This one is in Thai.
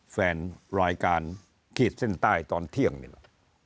แฟนรายการขีดเส้นใต้ตอนเที่ยงนี่แหละ